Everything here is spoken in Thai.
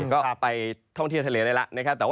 ก็ไปท่องเที่ยวทะเลได้แล้วนะครับ